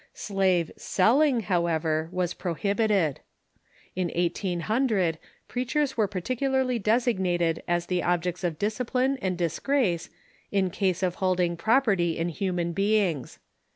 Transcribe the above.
S\a\'e selU»(/, however, was prohibited. In 1800, preachers were particularly designated as the objects of discipline and dis grace in case of holding property in human beings.